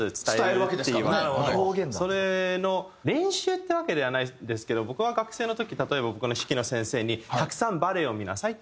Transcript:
それの練習ってわけではないですけど僕は学生の時例えば僕の指揮の先生に「たくさんバレエを見なさい」って。